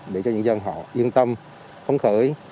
để cho nhân dân họ yên tâm phóng khởi